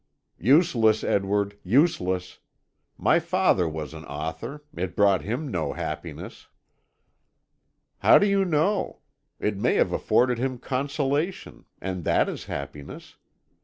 "Useless, Edward, useless! My father was an author; it brought him no happiness." "How do you know? It may have afforded him consolation, and that is happiness.